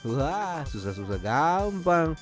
wah susah susah gampang